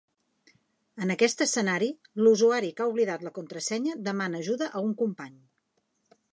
En aquest escenari, l'usuari que ha oblidat la contrasenya demana ajuda a un company.